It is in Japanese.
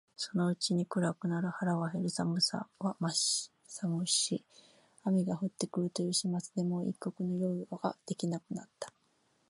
そのうちに暗くなる、腹は減る、寒さは寒し、雨が降って来るという始末でもう一刻の猶予が出来なくなった